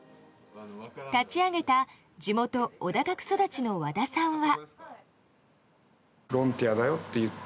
立ち上げた地元・小高区育ちの和田さんは。